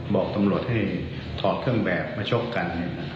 บอกตำรวจให้ถอดเครื่องแบบมาชกกัน